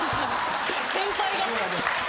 先輩が。